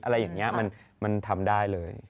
อะไรอย่างนี้มันทำได้เลย